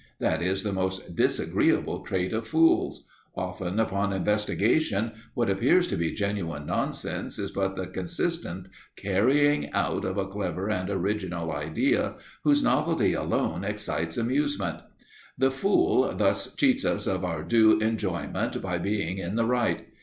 That is the most disagreeable trait of fools; often, upon investigation, what appears to be genuine nonsense is but the consistent carrying out of a clever and original idea, whose novelty alone excites amusement. The fool thus cheats us of our due enjoyment by being in the right.